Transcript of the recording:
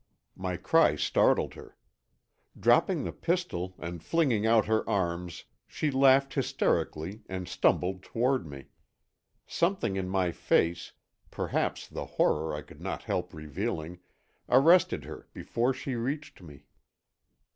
My cry startled her. Dropping the pistol and flinging out her arms, she laughed hysterically and stumbled toward me. Something in my face, perhaps the horror I could not help revealing, arrested her before she reached me.